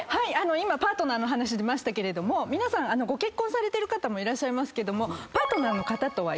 今パートナーの話出たけど皆さんご結婚されてる方もいらっしゃいますけども。